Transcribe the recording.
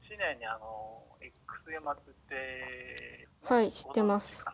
はい知ってます。